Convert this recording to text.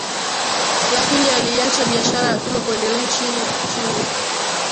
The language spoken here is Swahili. lakini aliiacha biashara ya watumwa kuendelea chini chini